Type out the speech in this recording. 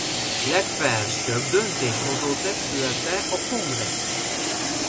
Legfelsőbb döntéshozó testülete a Kongresszus.